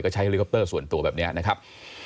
ใช้เฮลิคอปเตอร์ส่วนตัวแบบนี้นะครับ